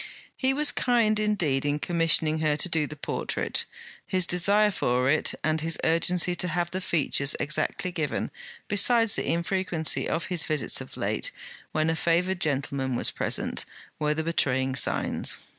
He was kind indeed in commissioning her to do the portrait. His desire for it, and his urgency to have the features exactly given, besides the infrequency of his visits of late, when a favoured gentleman was present, were the betraying signs.